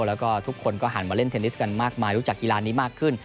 แล้วก็ทุกคนก็หันมาเล่นเทนนิสกันมากมายรู้จักกีฬานี้มากขึ้น